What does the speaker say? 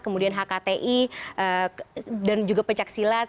kemudian hkti dan juga pecag silat